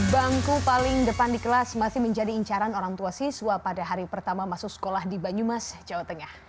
bangku paling depan di kelas masih menjadi incaran orang tua siswa pada hari pertama masuk sekolah di banyumas jawa tengah